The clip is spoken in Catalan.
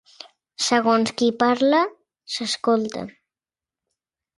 Segons qui parla, s'escolta.